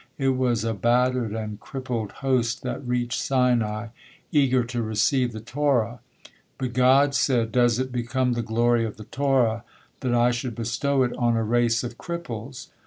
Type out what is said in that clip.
It was a battered and crippled host that reached Sinai, eager to receive the Torah, but God said: "Does it become the glory of the Torah that I should bestow it on a race of cripples?